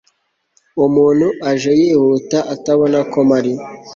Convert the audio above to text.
umuntu aje yihuta atabona ko mpari